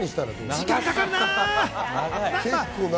時間かかるな。